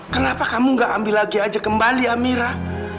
kenapa kamu gak ambil lagi aja kembali amira